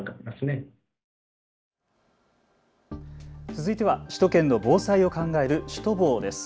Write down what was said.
続いては首都圏の防災を考える＃シュトボーです。